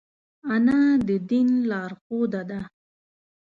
انا د دین لارښوده ده